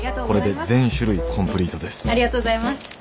これで全種類コンプリートです。